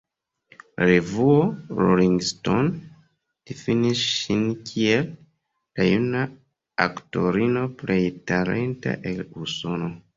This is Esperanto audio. La revuo Rolling Stone difinis ŝin kiel “la juna aktorino plej talenta el Usono”.